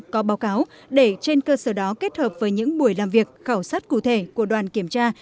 có báo cáo để trên cơ sở đó kết hợp với những buổi làm việc khảo sát cụ thể của đoàn kiểm tra